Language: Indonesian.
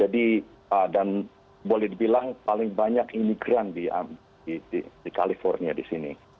dan boleh dibilang paling banyak imigran di california di sini